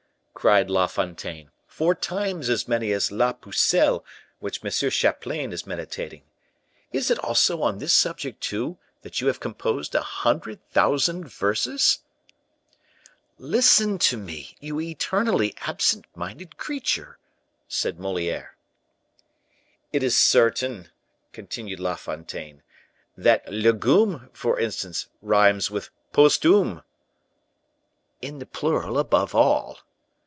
cried La Fontaine. "Four times as many as 'La Pucelle,' which M. Chaplain is meditating. Is it also on this subject, too, that you have composed a hundred thousand verses?" "Listen to me, you eternally absent minded creature," said Moliere. "It is certain," continued La Fontaine, "that legume, for instance, rhymes with posthume." "In the plural, above all."